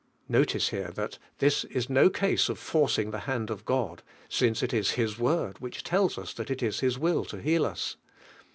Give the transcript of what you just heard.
Notice here that (his is no case of forc ing the band of God, since it is Hia Word which tells us that it is His will to heal us.